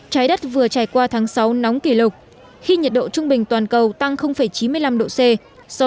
trái đất vừa trải qua tháng sáu nóng kỷ lục khi nhiệt độ trung bình toàn cầu tăng chín mươi năm độ c do